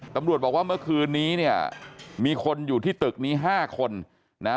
ตำรวจบอกว่าเมื่อคืนนี้เนี่ยมีคนอยู่ที่ตึกนี้ห้าคนนะฮะ